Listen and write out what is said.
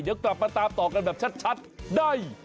เดี๋ยวกลับมาตามต่อกันแบบชัดได้